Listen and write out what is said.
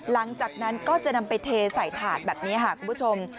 หลังจากนั้นก็จะนำไปเทใส่ถาดแบบนี้ค่ะคุณผู้ชม